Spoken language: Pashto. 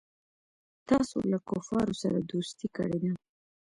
تاسو له کفارو سره دوستي کړې ده.